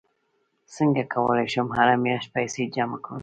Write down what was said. څنګه کولی شم هره میاشت پیسې جمع کړم